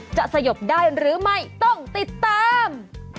สยบได้หรือไม่ต้องติดตาม